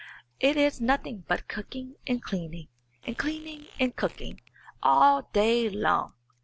It is nothing but cooking and cleaning, and cleaning and cooking, all day long.